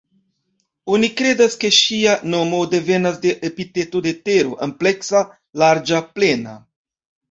Oni kredas ke ŝia nomo devenas de epiteto de Tero: "ampleksa", "larĝa", "plena".